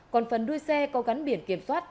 còn phần đuôi xe có gắn biển kiểm soát